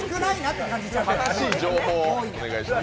正しい情報をお願いします。